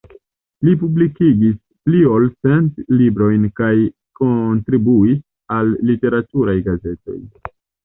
Li publikigis pli ol cent librojn kaj kontribuis al literaturaj gazetoj.